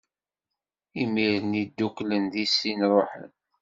Imir-nni, dduklen di sin, ṛuḥen.